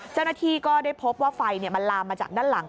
เจ้าหน้าที่ก็ได้พบว่าไฟมันลามมาจากด้านหลัง